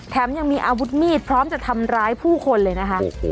ยังมีอาวุธมีดพร้อมจะทำร้ายผู้คนเลยนะคะ